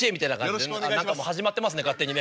何かもう始まってますね勝手にね。